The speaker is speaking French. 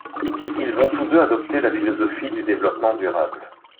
Ils ont tous deux adopté la philosophie du développement durable.